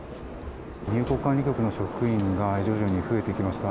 入国管理局の職員が徐々に増えてきました。